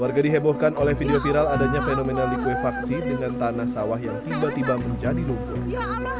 warga dihebohkan oleh video viral adanya fenomena likuifaksi dengan tanah sawah yang tiba tiba menjadi lumpuh